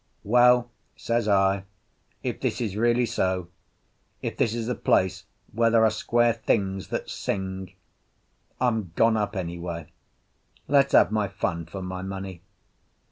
"Well," says I, "if this is really so, if this is a place where there are square things that sing, I'm gone up anyway. Let's have my fun for my money."